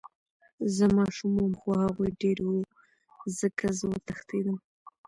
زه ماشوم وم خو هغوي ډير وو ځکه زه وتښتېدم.